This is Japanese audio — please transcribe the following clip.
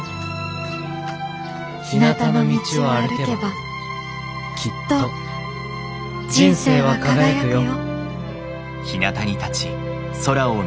ひなたの道を歩けばきっと人生は輝くよ」。